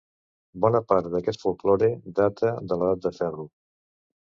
Bona part d'aquest folklore data de l'Edat de Ferro.